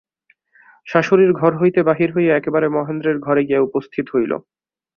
শাশুড়ির ঘর হইতে বাহির হইয়া একেবারে মহেন্দ্রের ঘরে গিয়া উপস্থিত হইল।